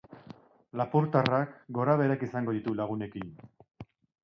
Lapurtarrak gorabeherak izango ditu lagunekin.